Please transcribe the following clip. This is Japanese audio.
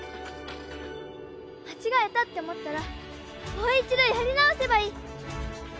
間違えたって思ったらもう一度やり直せばいい。